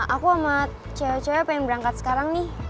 aku amat cewek cewek pengen berangkat sekarang nih